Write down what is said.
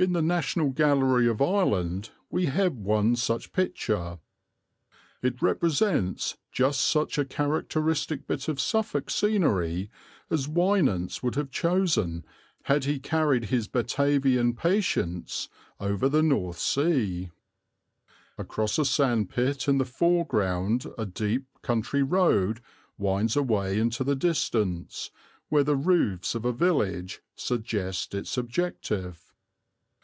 In the National Gallery of Ireland we have one such picture. It represents just such a characteristic bit of Suffolk scenery as Wynants would have chosen had he carried his Batavian patience over the North Sea. Across a sand pit in the foreground a deep country road winds away into the distance, where the roofs of a village suggest its objective.